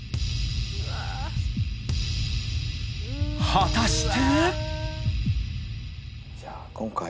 ［果たして］